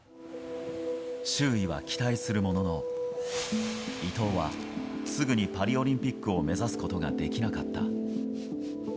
周囲は期待するものの、伊藤はすぐにパリオリンピックを目指すことができなかった。